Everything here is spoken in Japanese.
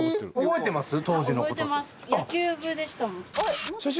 覚えてます。